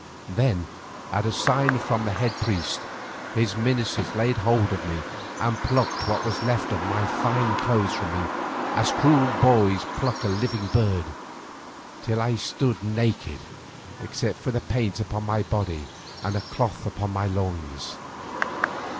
Then at a sign from the head priest, his ministers laid hold of me and plucked what were left of my fine clothes from me as cruel boys pluck a living bird, till I stood naked except for the paint upon my body and a cloth about my loins.